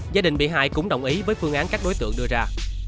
gia đình bị hại cũng đồng ý với phương án các đối tượng đưa ra